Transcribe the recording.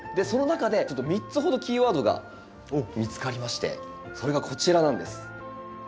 その中でちょっと３つほどキーワードが見つかりましてそれがこちらなんです。